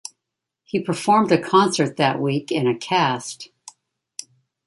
He performed a concert that week in a cast.